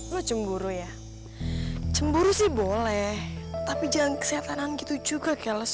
lu cemburu ya cemburu sih boleh tapi jangan kesehatan gitu juga keles